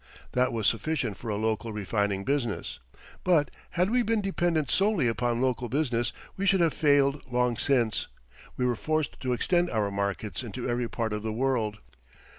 That was sufficient for a local refining business. But, had we been dependent solely upon local business, we should have failed long since. We were forced to extend our markets into every part of the world.